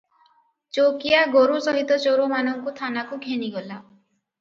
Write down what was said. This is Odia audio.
ଚୌକିଆ ଗୋରୁ ସହିତ ଚୋରମାନଙ୍କୁ ଥାନାକୁ ଘେନିଗଲା ।